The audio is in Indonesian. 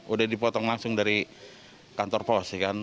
udah dipotong langsung dari kantor pos